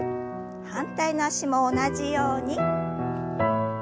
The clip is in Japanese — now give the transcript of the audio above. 反対の脚も同じように。